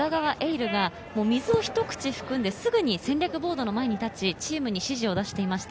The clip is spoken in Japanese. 琉が水をひと口含んで、すぐに戦略ボードの前に立ち、チームに指示を出していました。